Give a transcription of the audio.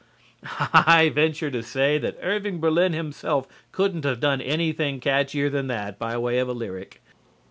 I venture to say that Irving Berlin himself couldn't have done anything catchier than that by way of a lyric.